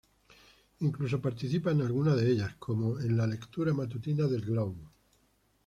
Incluso participa en alguna de ellas, como en la lectura matutina del "Globe".